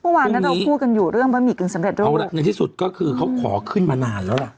เมื่อวานถ้าเราพูดกันอยู่เรื่องบะหมี่กึ่งสำเร็จด้วยเอาล่ะในที่สุดก็คือเขาขอขึ้นมานานแล้วล่ะ